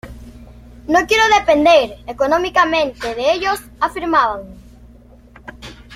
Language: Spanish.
No quiero depender económicamente de ellos", afirmaba.